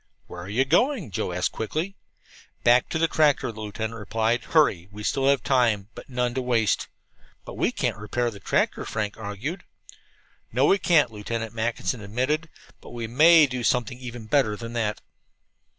"Where are you going?" Joe asked quickly. "Back to the tractor," the lieutenant replied. "Hurry! We still have time, but none to waste." "But we can't repair the tractor," Frank argued. "No, we can't," Lieutenant Mackinson admitted, "but we may do something even better than that."